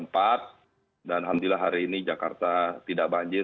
dan alhamdulillah hari ini jakarta tidak banjir